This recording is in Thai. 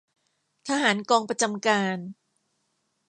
ทหารกองประจำการ